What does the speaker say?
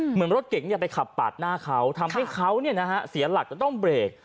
เหมือนรถเก๋งไปขับปาดหน้าเขาทำให้เขาเสียหลักจะต้องเบรก